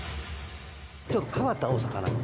ちょっと変わったお魚。